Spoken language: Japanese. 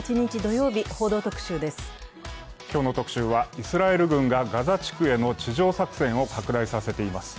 今日の特集は、イスラエル軍がガザ地区への地上作戦を拡大させています。